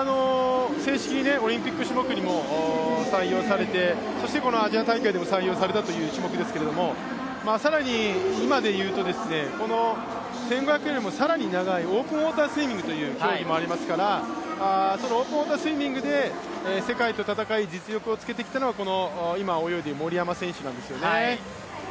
正式にオリンピック種目にも採用されてそしてアジア大会でも採用された種目ですけど更に今で言うと、１５００より更に長いオープンウォータースイミングという競技もありますから、そのオープンウォータースイミングで世界と戦い、実力をつけてきたのが今泳いでいる森山選手なんですよね。